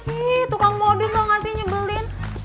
ih tukang modus banget sih nyebelin